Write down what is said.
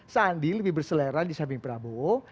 sandi lebih berselera di samping prabowo